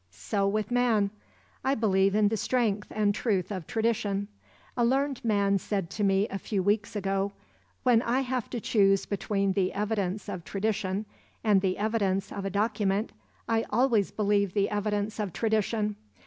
So with man. I believe in the strength and truth of tradition. A learned man said to me a few weeks ago: "When I have to choose between the evidence of tradition and the evidence of a document, I always believe the evidence of tradition.